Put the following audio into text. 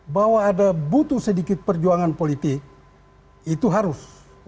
bahwa ada butuh sedikit perjuangan politik itu harus